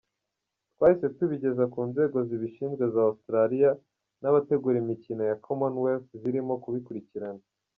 Twahise tubigeza ku nzego zibishinzwe za Australia n’abategura imikino ya Commonwealth zirimo kubikurikirana.